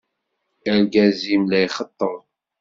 Argaz-im la ixeṭṭeb.